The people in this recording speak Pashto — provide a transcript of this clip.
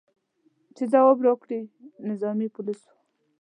چې ځواب راکړي، نظامي پولیس و.